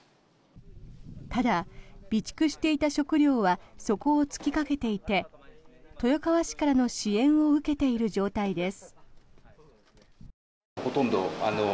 ただ、備蓄していた食料は底を突きかけていて豊川市からの支援を受けている状態です。